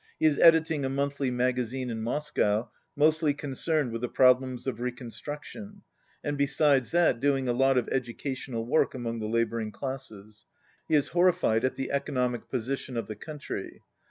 He is editing a monthly magazine in Moscow, mostly concerned with the problems of reconstruction, and besides that doing a lot of educational work among the labouring classes. He is horrified at the economic position of the country.